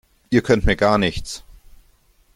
Ihr könnt mir gar nichts!